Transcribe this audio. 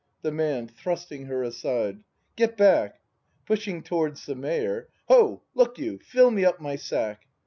The Man. \Thrusting her aside !\ Get back! [Pushing towards the Mayor.] Ho! look you, fill me up my sack!